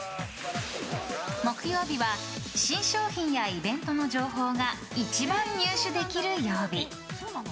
木曜日は新商品やイベントの情報が一番入手できる曜日。